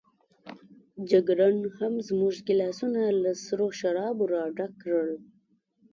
جګړن هم زموږ ګیلاسونه له سرو شرابو راډک کړل.